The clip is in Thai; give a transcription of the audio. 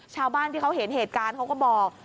ชาวบ้านที่เขาเห็นเหตุการณ์เขาก็บอก